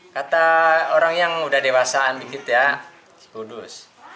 kata orang yang udah dewasaan dikit ya kudus